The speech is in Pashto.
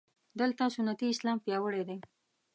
دلته سنتي اسلام پیاوړی دی.